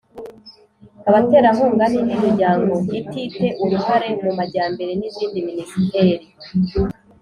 abaterankunga n'indi miryango itite uruhare mu majyambere, n'izindi minisiteri,